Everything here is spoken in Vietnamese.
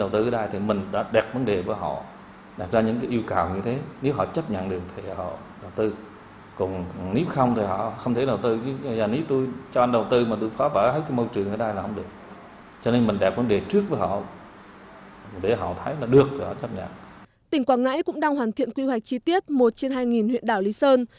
tỉnh quảng ngãi cũng đang hoàn thiện quy hoạch chi tiết một trên hai huyện đảo lý sơn